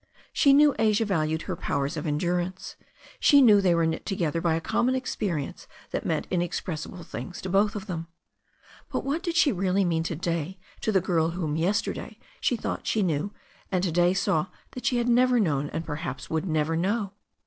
She knew Asia valued her powers of endurance. She knew they were knit together by a common experience that meant inexpressible things to both of them. But what did she really mean to day to the girl whom yesterday she thought she knew, and to day saw that she had never known and perhaps never would know?